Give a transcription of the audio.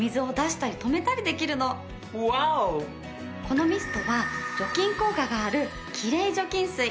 このミストは除菌効果があるきれい除菌水。